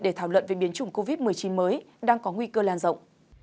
để thảo luận về biến chủng covid một mươi chín mới đang có nguy cơ lan rộng